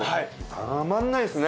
たまんないですね！